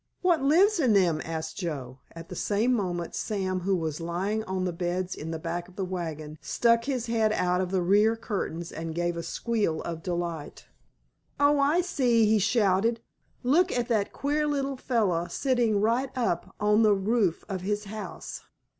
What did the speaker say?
"What lives in them?" asked Joe. At the same moment Sam, who was lying on the beds in the back of the wagon, stuck his head out of the rear curtains and gave a squeal of delight. "Oh, I see!" he shouted. "Look at that queer little feller sittin' right up on the roof of his house!